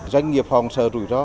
doanh nghiệp họ sợ rủi ro